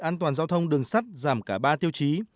an toàn giao thông đường sắt giảm cả ba tiêu chí